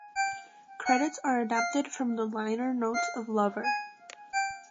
Credits are adapted from the liner notes of "Lover".